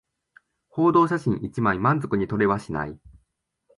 報道写真一枚満足に撮れはしない